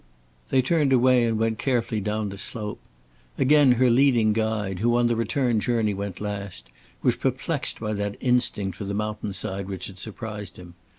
They turned away and went carefully down the slope. Again her leading guide, who on the return journey went last, was perplexed by that instinct for the mountain side which had surprised him.